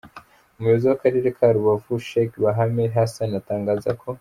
Umuyobozi w’Akarere ka Rubavu, Sheikh Bahame Hassan atangaza ko.